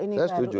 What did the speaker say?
baik saya setuju